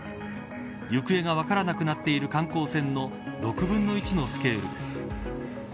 行方が分からなくなっている観光船の６分の１のスケールです。